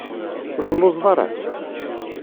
Ur telluẓeḍ ara?